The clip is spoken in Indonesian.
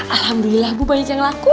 alhamdulillah bu baik yang laku